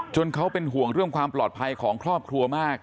เขาเป็นห่วงเรื่องความปลอดภัยของครอบครัวมาก